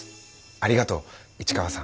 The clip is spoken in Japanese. ありがとう市川さん。